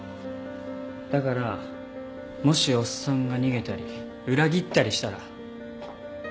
だからもしおっさんが逃げたり裏切ったりしたら。